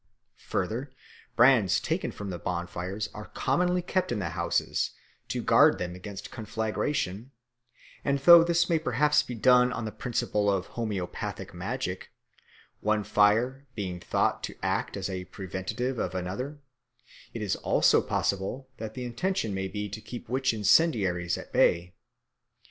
Further, brands taken from the bonfires are commonly kept in the houses to guard them against conflagration; and though this may perhaps be done on the principle of homoeopathic magic, one fire being thought to act as a preventive of another, it is also possible that the intention may be to keep witch incendiaries at bay.